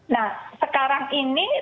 nah sekarang ini